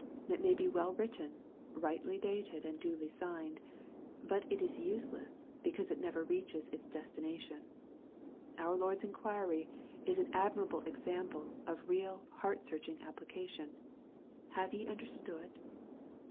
It may be well written, rightly dated, and duly signed. But it is useless, be cause it never reaches its destination. Our Lord's inquiry is an admirable example of real heart searching application, " Have ye understood ?'' MATTHEW, CHAP.